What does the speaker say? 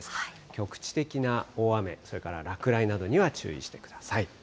局地的な大雨、それから落雷などには注意してください。